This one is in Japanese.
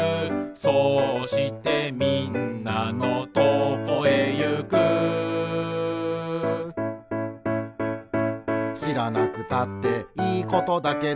「そうしてみんなのとこへゆく」「しらなくたっていいことだけど」